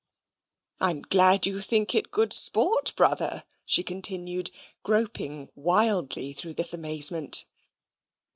"I'm glad you think it good sport, brother," she continued, groping wildly through this amazement.